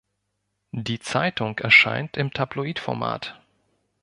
Die Zeitung erscheint im Tabloidformat.